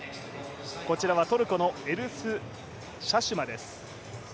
こちらはトルコのエルス・シャシュマです。